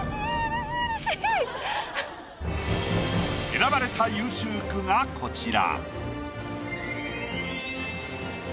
選ばれた優秀句がこちら。